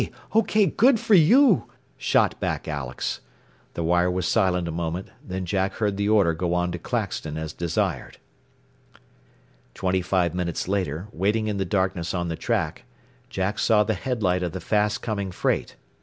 OK! Good for you," shot back Alex. The wire was silent a moment, then Jack heard the order go on to Claxton as desired. Twenty five minutes later, waiting in the darkness on the track, Jack saw the headlight of the fast coming freight.